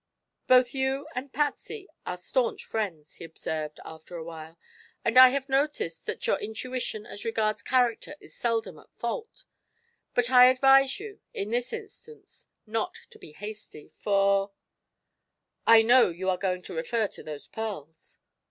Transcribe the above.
"Both you and Patsy are staunch friends," he observed, after a while, "and I have noticed that your intuition as regards character is seldom at fault. But I advise you, in this instance, not to be hasty, for " "I know; you are going to refer to those pearls."